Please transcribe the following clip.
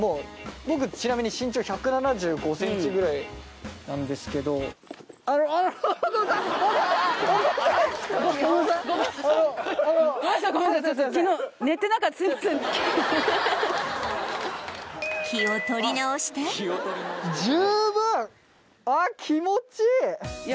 僕ちなみに身長１７５ｃｍぐらいなんですけどあらっあらあっ気持ちいい！